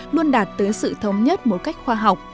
luôn đạt tới sự thống nhất một cách khoa học